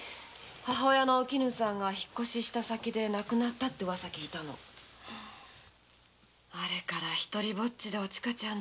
母親のおきぬさんが引越した先で亡くなったってウワサ聞いたのあれからおちかちゃん